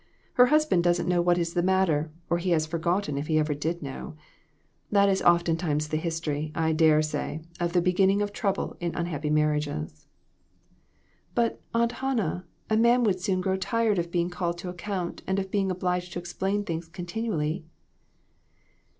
Her husband doesn't know what is the matter, or he has forgot ten if he ever did know. That is oftentimes the history, I dare say, of the beginning of trouble in unhappy marriages." "But, Aunt Hannah, a man would soon grow tired of being called to account and of being obliged to explain things continually."